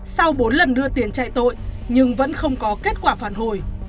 sau bốn lần đưa tiền chạy tội nhưng vẫn không có kết quả phản hồi